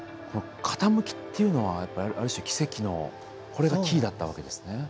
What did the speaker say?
この傾きっていうのはやっぱある種奇跡のこれがキーだったわけですね。